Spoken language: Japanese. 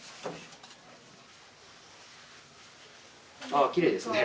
ああきれいですね。